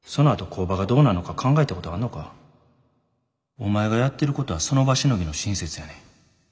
お前がやってることはその場しのぎの親切やねん。